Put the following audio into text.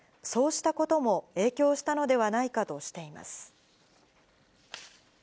そうしたことも影響したのではないかとしています。